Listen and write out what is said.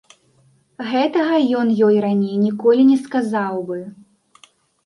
Гэтага ён ёй раней ніколі не сказаў бы.